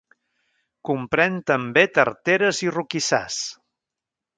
Comprèn també tarteres i roquissars.